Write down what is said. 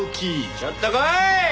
ちょっと来い！